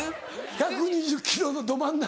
１２０キロのど真ん中。